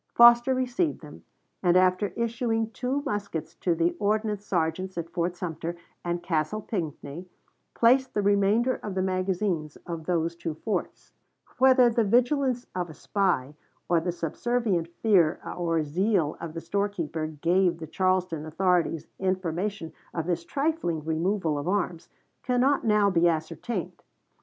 Foster received them, and after issuing two muskets to the ordnance sergeants at Fort Sumter and Castle Pinckney, placed the remainder in the magazines of those two forts. Humphreys to Foster, Dec. 18, 1860. W.R. Vol. I., p. 96. Whether the vigilance of a spy or the subservient fear or zeal of the storekeeper gave the Charleston authorities information of this trifling removal of arms, cannot now be ascertained.